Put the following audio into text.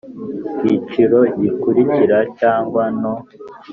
kiciro gikurikira cyangwa no